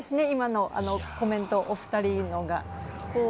今のコメント、お二人のが。